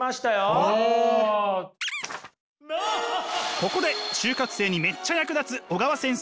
ここで就活生にめっちゃ役立つ小川先生